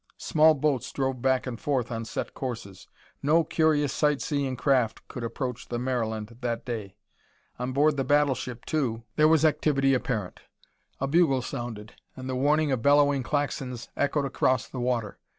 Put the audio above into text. Small boats drove back and forth on set courses; no curious sight seeing craft could approach the Maryland that day. On board the battleship, too, there was activity apparent. A bugle sounded, and the warning of bellowing Klaxons echoed across the water.